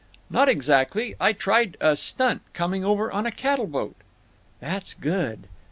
"Not exactly. I tried a stunt—coming over on a cattle boat." "That's good.